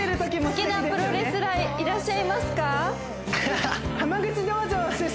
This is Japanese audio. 好きなプロレスラーいらっしゃいますか？